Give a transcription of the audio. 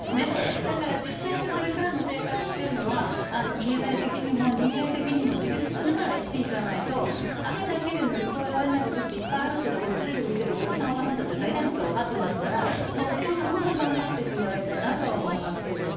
だから実際にこれからの生活っていうのは、経済的にも人間的にも自立しながら生きていかないと、愛だけで乗り越えられないことって、いっぱいあるっていうのは、テレビ見ているおじさん、おばさんたちは大体の人は分かってますから、お２人、本当に頑張ってってもらいたいなとは思いますけれども。